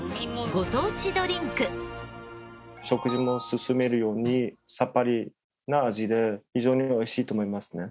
食事も進めるようにさっぱりな味で非常に美味しいと思いますね。